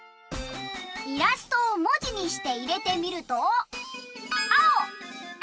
イラストをもじにしていれてみると。